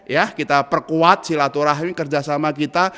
ya kita perkuat silaturahmi kerjasama kita